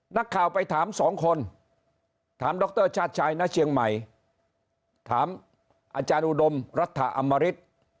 นักข่าวไปถามสองคนถามดรชาติชายณเชียงใหม่ถามอาจารย์อุดมรัฐอมริต